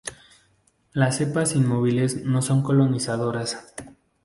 Las cepas inmóviles no son colonizadoras.